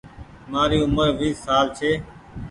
مآري اومر ويس سال ڇي۔